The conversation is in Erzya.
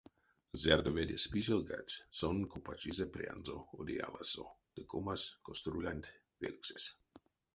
Зярдо ведесь пижелгадсь, сон копачизе прянзо одеяласо ды комась кастрюлянть вельксэс.